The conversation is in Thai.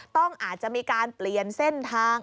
อาจจะมีการเปลี่ยนเส้นทาง